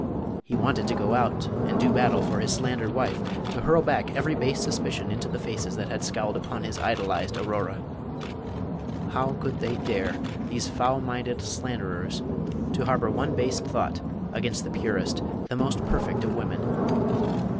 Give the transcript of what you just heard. He wanted to go out and do battle for his slandered wife; to hurl back every base suspicion into the faces that had scowled upon his idolized Aurora. How could they Page 191 dare, these foul minded slanderers, to harbor one base thought against the purest, the most perfect of women?